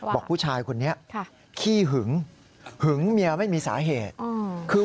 บอกผู้ชายคนนี้ขี้หึงหึงเมียไม่มีสาเหตุคือ